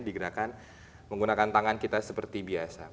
digerakkan menggunakan tangan kita seperti biasa